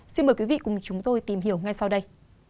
xin mời quý vị cùng chúng tôi tìm hiểu ngay sau đây